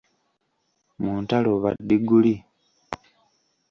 Mu ntalo ba ddiguli.